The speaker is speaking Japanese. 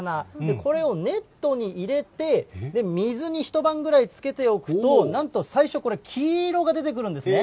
これをネットに入れて、水に一晩ぐらいつけておくと、なんと最初これ、黄色が出てくるんですね。